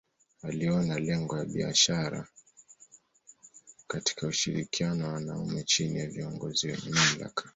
Aliona lengo ya maisha katika ushirikiano wa wanaume chini ya viongozi wenye mamlaka.